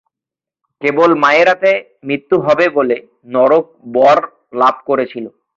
কেবল মায়ের হাতে মৃত্যু হবে বলে নরক বর লাভ করেছিল।